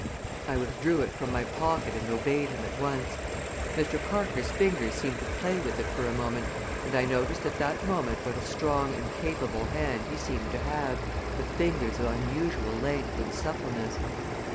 I withdrew it from my pocket and obeyed him at once. Mr. Parker's fingers seemed to play with it for a moment and I noticed at that moment what a strong and capable hand he seemed to have, with fingers of unusual length and suppleness.